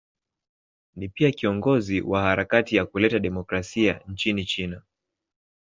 Ni pia kiongozi wa harakati ya kuleta demokrasia nchini China.